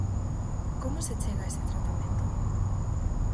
Como se chega a ese tratamento?